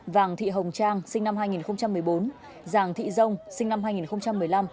vàng thị hồng trang sinh năm hai nghìn một mươi bốn giàng thị dông sinh năm hai nghìn một mươi năm